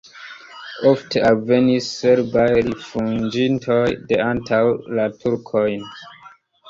Ofte alvenis serbaj rifuĝintoj de antaŭ la turkojn.